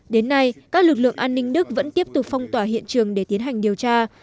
đến nay các lực lượng an ninh đức vẫn tiếp tục phong tỏa hiện trường để tiến hành điều tra